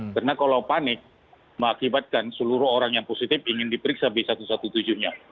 karena kalau panik mengakibatkan seluruh orang yang positif ingin diperiksa b satu ratus tujuh belas nya